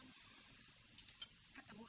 selama buru buru itu